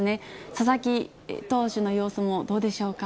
佐々木投手の様子も、どうでしょうか。